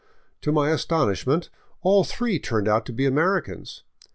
To my astonishment, all three turned out to be Americans.